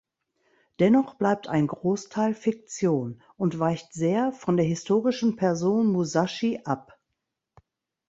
Dennoch bleibt ein Großteil Fiktion und weicht sehr von der historischen Person Musashi ab.